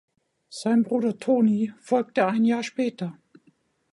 Sein Bruder Tony folgte ein Jahr später.